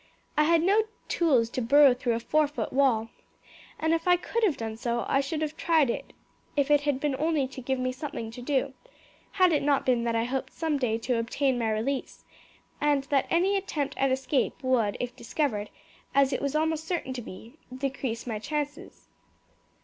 I had no tools to burrow through a four foot wall, and if I could have done so I should have tried if it had only been to give me something to do, had it not been that I hoped some day to obtain my release, and that any attempt at escape would, if discovered, as it was almost certain to be, decrease my chances."